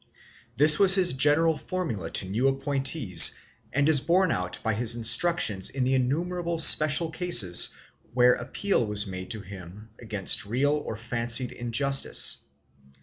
This was his general formula to new appointees and is borne out by his instructions in the innumerable special cases where appeal was made to him against real or fancied injustice.